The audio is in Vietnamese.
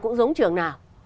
cũng giống trường nào